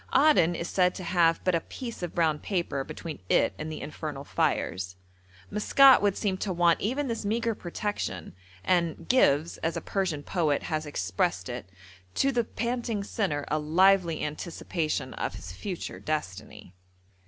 Aden is said to have but a piece of brown paper between it and the infernal fires. Maskat would seem to want even this meagre protection, and 'gives,' as a Persian poet has expressed it, 'to the panting sinner a lively anticipation of his future destiny.'